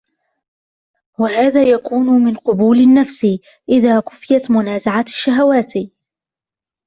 وَهَذَا يَكُونُ مِنْ قَبُولِ النَّفْسِ إذَا كُفِيَتْ مُنَازَعَةَ الشَّهَوَاتِ